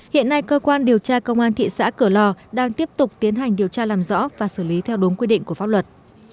hiện nay cơ quan điều tra công an thị xã cửa lò đang tiếp tục tiến hành điều tra làm rõ và xử lý theo đúng quy định của pháp luật